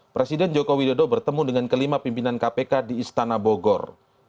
presiden joko widodo bertemu dengan kelima pimpinan kpk di istana bogor